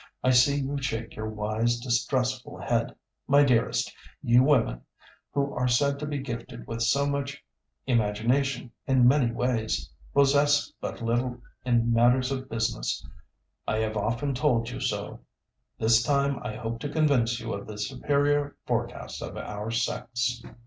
I see you shake your wise, distrustful head. My dearest, you women, who are said to be gifted with so much imagination in many ways, possess but little in matters of business. I have often told you so. This time I hope to convince you of the superior forecast of our sex.